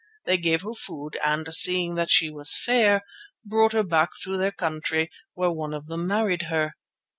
They gave her food and, seeing that she was fair, brought her back to their country, where one of them married her.